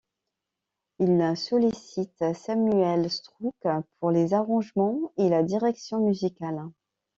Il sollicite Samuel Strouk pour les arrangements et la direction musicale.